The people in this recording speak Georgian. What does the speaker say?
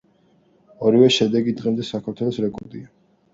ორივე შედეგი დღემდე საქართველოს რეკორდია.